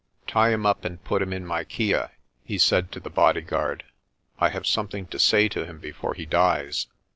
Tie him up and put him in my kya," he said to the bodyguard. "I have something to say to him before he dies."